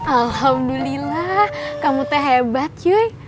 alhamdulillah kamu teh hebat cuy